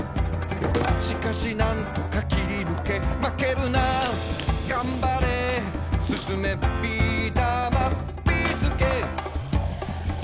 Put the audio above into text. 「しかし何とか切りぬけ」「まけるながんばれ」「進め！ビーだまビーすけ」